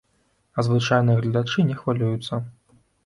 А звычайныя гледачы не хвалююцца.